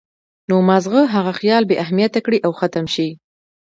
نو مازغۀ هغه خيال بې اهميته کړي او ختم شي